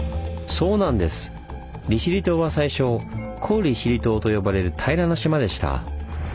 利尻島は最初「古利尻島」と呼ばれる平らな島でした。